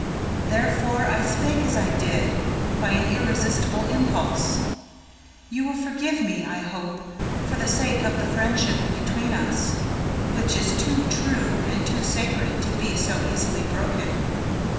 Therefore I spake as I did, by an irresistible impulse. You will forgive me, I hope, for the sake of the friendship between us, Which is too true and too sacred to be so easily broken!"